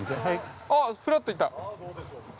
ふらっと行った。